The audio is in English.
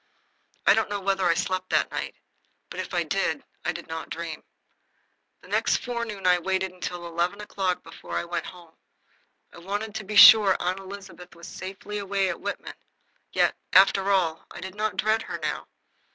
I don't know whether I slept that night; but, if I did, I did not dream. The next forenoon I waited until eleven o'clock before I went home. I wanted to be sure Aunt Elizabeth was safely away at Whitman. Yet, after all, I did not dread her now.